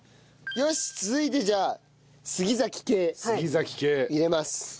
よし続いてじゃあ杉系入れます。